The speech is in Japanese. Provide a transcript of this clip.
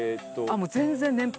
あっもう全然年配。